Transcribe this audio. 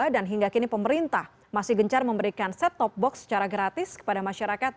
dan hingga kini pemerintah masih gencar memberikan set top box secara gratis kepada masyarakat